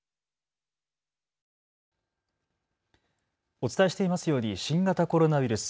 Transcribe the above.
お伝えしていますように新型コロナウイルス。